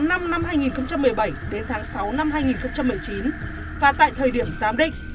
từ năm năm hai nghìn một mươi bảy đến tháng sáu năm hai nghìn một mươi chín và tại thời điểm giám định